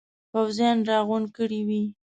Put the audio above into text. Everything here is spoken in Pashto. پوځیان را غونډ کړي وي.